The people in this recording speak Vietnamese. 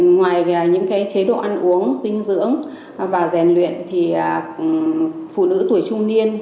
ngoài những chế độ ăn uống dinh dưỡng và rèn luyện thì phụ nữ tuổi trung niên